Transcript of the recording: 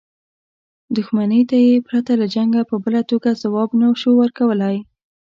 دښمنۍ ته یې پرته له جنګه په بله توګه ځواب نه شو ورکولای.